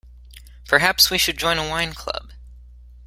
Perhaps we should join a wine club.